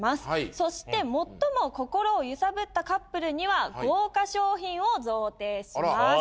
そして最も心を揺さぶったカップルには豪華賞品を贈呈します。